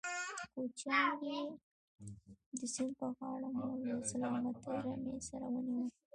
کوچيان دي، د سيند پر غاړه مو له سلامتې رمې سره ونيول.